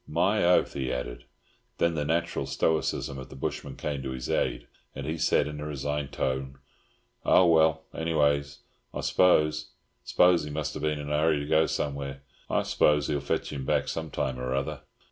"My oath!" he added. Then the natural stoicism of the bushman came to his aid, and he said, in a resigned tone, "Oh, well, anyways, I s'pose—s'pose he must have been in a hurry to go somewheres. I s'pose he'll fetch him back some time or other."